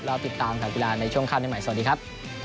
แล้วติดตามแผนกีฬาในช่วงข้ามใหม่สวัสดีครับ